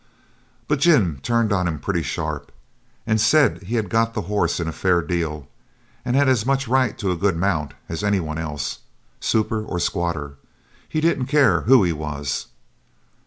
But Jim turned on him pretty sharp, and said he had got the horse in a fair deal, and had as much right to a good mount as any one else super or squatter, he didn't care who he was.